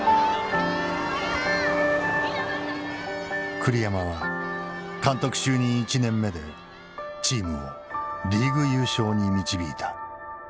栗山は監督就任１年目でチームをリーグ優勝に導いた。